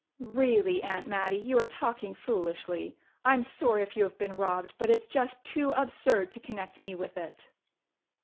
"Really, Aunt Mattie, you are talking foolishly. I'm sorry if you have been robbed, but it's just too absurd to connect me with it."